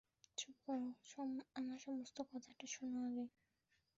চুপ করো, আমার সমস্ত কথাটা শোনো আগে।